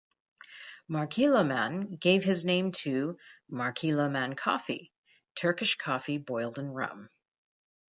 Marghiloman gave his name to "Marghiloman coffee", Turkish coffee boiled in rum.